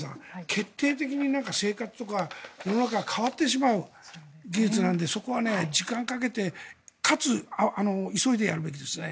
決定的に生活とか世の中が変わってしまう技術なんでそこは時間をかけてかつ、急いでやるべきですね。